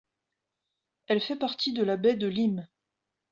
Elle fait partie de la baie de Lyme.